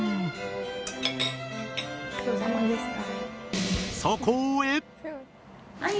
ごちそうさまでした！